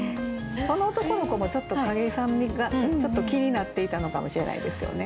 その男の子もちょっと景井さんが気になっていたのかもしれないですよね。